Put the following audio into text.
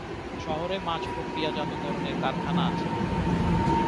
শহরে মাছ প্রক্রিয়াজাতকরণের কারখানা আছে।